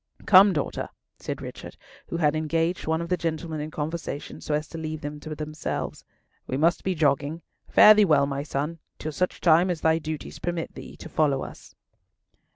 "Come, daughter!" said Richard, who had engaged one of the gentlemen in conversation so as to leave them to themselves. "We must be jogging. Fare thee well, my son, till such time as thy duties permit thee to follow us."